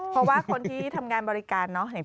เพราะว่าคนที่ทำงานบริการเนอะ